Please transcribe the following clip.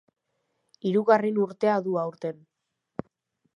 Hirugarren urtea du aurten.